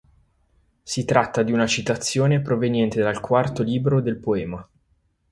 Si tratta di una citazione proveniente dal quarto libro del poema.